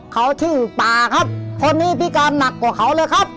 เขาชื่อป่าครับคนนี้พิการหนักกว่าเขาเลยครับ